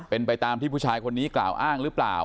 เป็นไปตามที่ผู้ชายคนนี้กล่าวอ้างหรือเปล่า